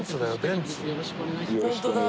よろしくお願いします。